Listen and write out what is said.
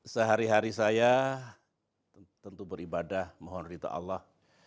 sehari hari saya tentu beribadah mohon rita allah